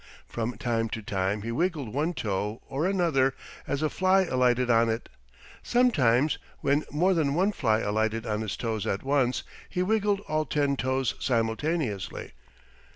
From time to time he wiggled one toe or another as a fly alighted on it. Sometimes, when more than one fly alighted on his toes at once, he wiggled all ten toes simultaneously.